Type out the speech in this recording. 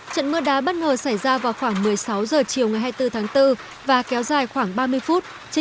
trận mưa đá bất ngờ xảy ra vào khoảng một mươi sáu h chiều ngày hai mươi bốn tháng bốn và kéo dài khoảng ba mươi phút trên